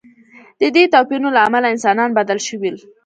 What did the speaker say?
د دې توپیرونو له امله انسانان بدل شول.